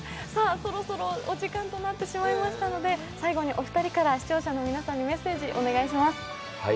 そろそろお時間となってしまいましたので最後にお二人から視聴者の皆さんにメッセージお願いします。